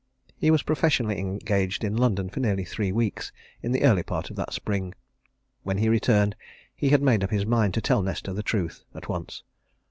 He was professionally engaged in London for nearly three weeks in the early part of that spring when he returned, he had made up his mind to tell Nesta the truth, at once.